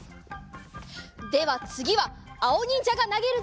ではつぎはあおにんじゃがなげるでござる。